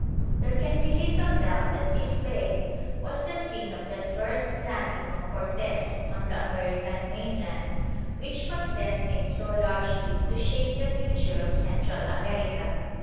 There can be little doubt that this bay was the scene of that first landing of Cortes on the American mainland which was destined so largely to shape the future of Central America.